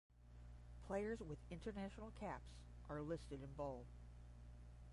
Players with international caps are listed in bold